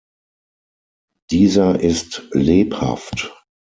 Dieser ist "Lebhaft.